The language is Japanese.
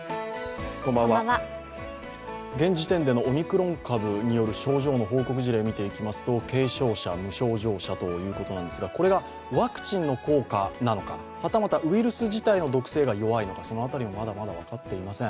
現時点でのオミクロン株による症状の報告事例を見てみますと軽症者、無症状者ということですがこれがワクチンの効果なのか、はたまたウイルス自体の毒性が弱いのか、その辺りもまだまだ分かっていません。